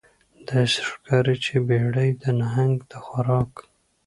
داسې ښکاري چې بیړۍ د نهنګ د خوراک